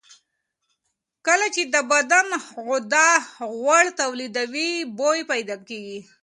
کله چې د بدن غده غوړ تولیدوي، بوی پیدا کېږي.